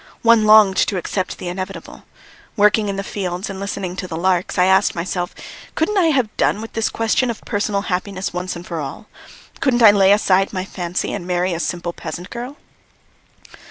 One longed to accept the inevitable. Working in the fields and listening to the larks, I asked myself: "Couldn't I have done with this question of personal happiness once and for all? Couldn't I lay aside my fancy and marry a simple peasant girl?"